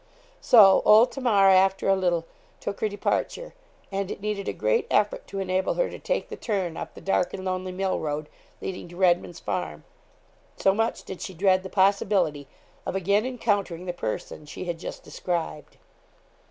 So, old Tamar, after a little, took her departure; and it needed a great effort to enable her to take the turn up the dark and lonely mill road, leading to Redman's Farm; so much did she dread the possibility of again encountering the person she had just described.